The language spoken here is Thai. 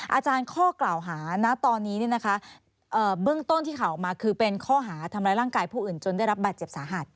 ข้อกล่าวหาณตอนนี้เบื้องต้นที่ข่าวออกมาคือเป็นข้อหาทำร้ายร่างกายผู้อื่นจนได้รับบาดเจ็บสาหัส